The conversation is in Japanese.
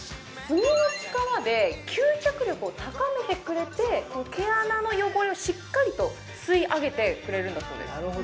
炭の力で吸着力を高めてくれて毛穴の汚れをしっかりと吸い上げてくれるんだそうです